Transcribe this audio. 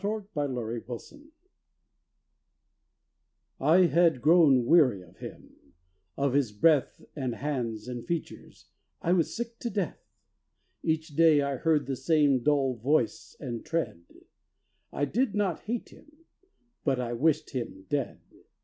THOU SHALT NOT KILL I had grown weary of him; of his breath And hands and features I was sick to death. Each day I heard the same dull voice and tread; I did not hate him: but I wished him dead.